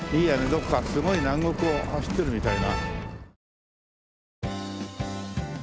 どこかすごい南国を走ってるみたいな。